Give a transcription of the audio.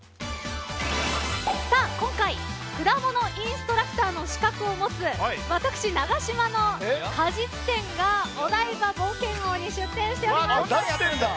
今回、果物インストラクターの資格を持つ私、永島の果実店がお台場冒険王に出店しております。